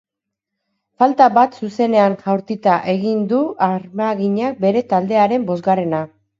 Falta bat zuzenean jaurtita egin du armaginak bere taldearen bosgarrena.